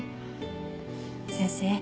先生。